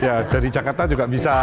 ya dari jakarta juga bisa